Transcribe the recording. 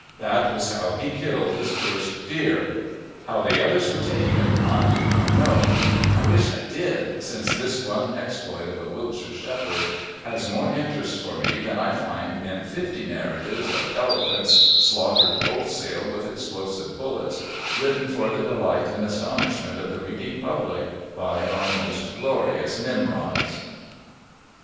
That was how he killed his first deer. How the others were taken I do not know; I wish I did, since this one exploit of a Wiltshire shepherd has more interest for me than I find in fifty narratives of elephants slaughtered wholesale with explosive bullets, written for the delight and astonishment of the reading public by our most glorious Nimrods.